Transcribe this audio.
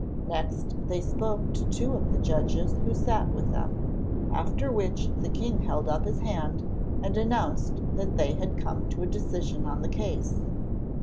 Next they spoke to two of the judges who sat with them, after which the king held up his hand and announced that they had come to a decision on the case.